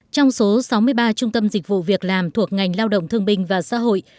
trong số sáu mươi ba trung tâm dịch vụ việc làm thuộc ngành lao động thương binh và xã hội